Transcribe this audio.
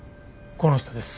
この人です。